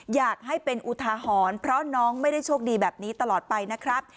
อยากให้เป็นอุทาหรณ์เพราะน้องไม่ได้โชคดีแบบนี้ตลอดไปนะครับ